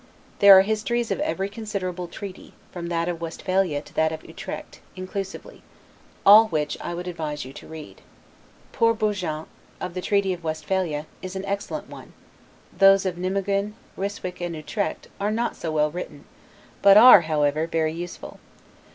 There are histories of every considerable treaty, from that of Westphalia to that of Utrecht, inclusively; all which I would advise you to read. Pore Bougeant's, of the treaty of Westphalia, is an excellent one; those of Nimeguen, Ryswick, and Utrecht, are not so well written; but are, however, very useful.